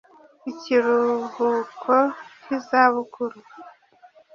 Ikiruhuko k iza bukuru